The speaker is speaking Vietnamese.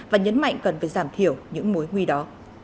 và nhấn mạnh cần phải giảm thiểu những mối nguy đó